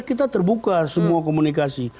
kita terbuka semua komunikasi